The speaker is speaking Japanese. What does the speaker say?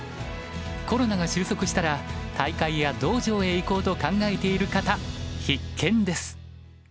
コロナが収束したら大会や道場へ行こうと考えている方必見です。